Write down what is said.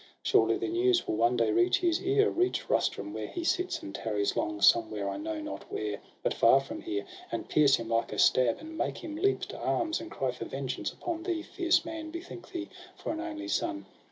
Surely the news will one day reach his ear, Reach Rustum, where he sits, and tarries long. Somewhere, I know not where, but far from here ; And pierce him like a stab, and make him leap To arms, and cry for vengeance upon thee. Fierce man, bethink thee, for an only son